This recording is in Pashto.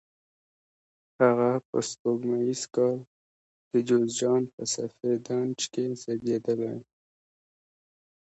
هغه په سپوږمیز کال د جوزجان په سفید نج کې زیږېدلی.